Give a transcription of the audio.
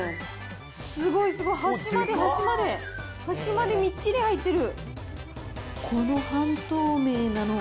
すごいすごい、端まで端まで、端までみっちり入ってる。